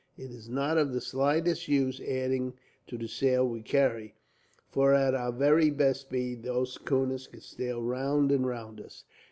It is not of the slightest use adding to the sail we carry, for at our very best speed, those schooners could sail round and round us.